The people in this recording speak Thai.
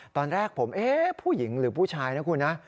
ตอนแรกผมเอ๊ะผู้หญิงหรือผู้ชายนะคุณนะ